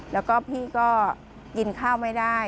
แล้วก็พี่ก็กินข้าวไม่ได้